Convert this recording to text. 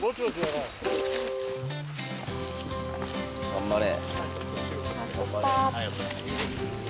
頑張れ。